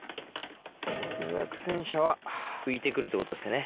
落選者は浮いてくるってことですよね。